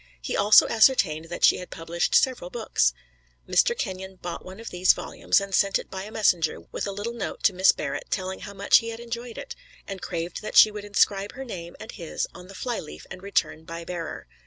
He also ascertained that she had published several books. Mr. Kenyon bought one of these volumes and sent it by a messenger with a little note to Miss Barrett telling how much he had enjoyed it, and craved that she would inscribe her name and his on the fly leaf and return by bearer.